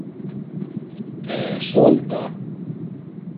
E solta.